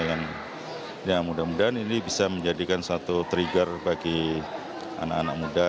nah mudah mudahan ini bisa menjadikan satu trigger bagi anak anak muda